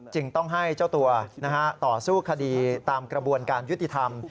จึงต้องให้เจ้าตัวต่อสู้คดีตามกระบวนการยุติธรรม